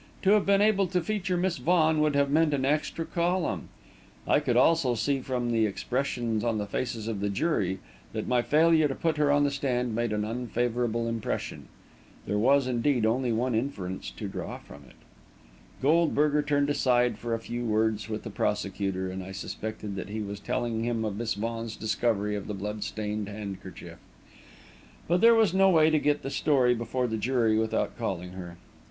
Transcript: To have been able to feature Miss Vaughan would have meant an extra column. I could also see, from the expression on the faces of the jury, that my failure to put her on the stand made an unfavourable impression. There was, indeed, only one inference to draw from it. Goldberger turned aside for a few words with the prosecutor, and I suspected that he was telling him of Miss Vaughan's discovery of the blood stained handkerchief; but there was no way to get the story before the jury without calling her.